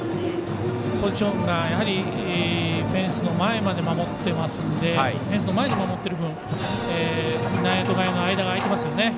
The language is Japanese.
ポジションがやはりフェンスの前まで守ってますのでフェンスの前で守ってる分内野と外野の間が空いてますよね。